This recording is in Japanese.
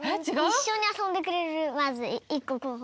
いっしょにあそんでくれるまず１ここうほ。